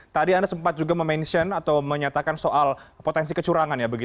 tadi anda sempat juga mention atau menyatakan soal potensi kecurangan ya